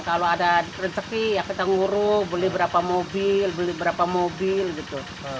kalau ada rezeki ya kita nguru beli berapa mobil beli berapa mobil gitu